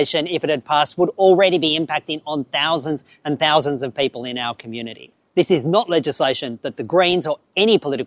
ini bukan penyelidikan yang diperlukan oleh green atau partai politik